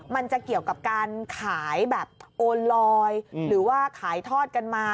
มันจะเกี่ยวกับการขายแบบโอนลอยหรือว่าขายทอดกันมา